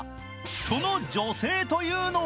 その女性というのが